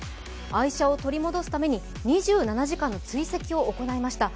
愛車を取り戻すために２７時間の追跡を行いました。